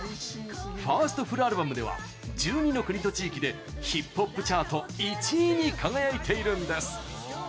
ファーストフルアルバムでは１２の国と地域でヒップホップチャート１位に輝いているんです。